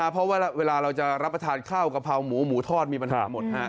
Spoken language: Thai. เพราะว่าเวลาเราจะรับประทานข้าวกะเพราหมูหมูทอดมีปัญหาหมด